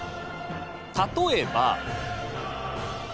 例えば。